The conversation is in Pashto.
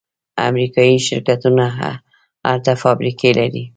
امریکایی شرکتونه هلته فابریکې لري.